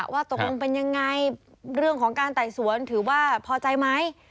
ว่าตกลงเป็นยังไงเรื่องของการไต่สวนถือว่าพอใจไหม